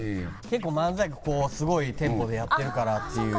結構漫才ここすごいテンポでやってるからっていう。